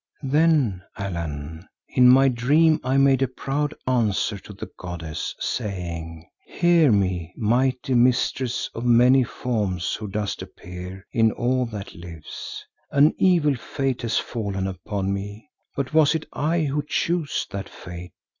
"Then, Allan, in my dream I made a proud answer to the goddess, saying, 'Hear me, mighty mistress of many Forms who dost appear in all that lives! An evil fate has fallen upon me, but was it I who chose that fate?